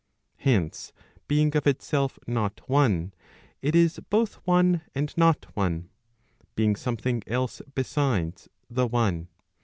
Hence, being of itself not one, it is both one and not one, being something else besides the one.